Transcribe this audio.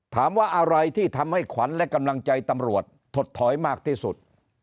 ถามว่าอะไรที่ทำให้ขวัญและกำลังใจตำรวจถดถอยมากที่สุด